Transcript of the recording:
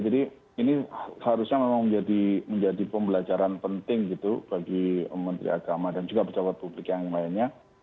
jadi ini harusnya memang menjadi pembelajaran penting gitu bagi menteri agama dan juga pejabat publik yang lainnya